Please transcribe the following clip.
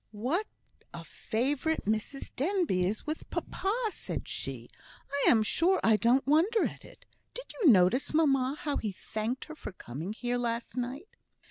"What a favourite Mrs Denbigh is with papa," said she. "I am sure I don't wonder at it. Did you notice, mamma, how he thanked her for coming here last night?"